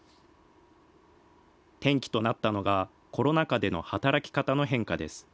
転機となったのが、コロナ禍での働き方の変化です。